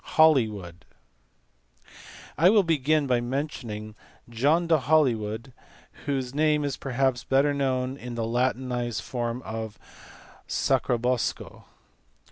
Holywood. I will begin by mentioning John de Ilolywood. whose name is perhaps better known in the latinized form of Sacrobosco.